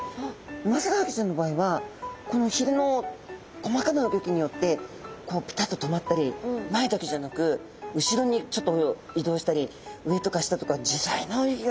ウマヅラハギちゃんの場合はこのひれの細かな動きによってこうピタっと止まったり前だけじゃなく後ろにちょっといどうしたり上とか下とかじざいな泳ぎができるんですね。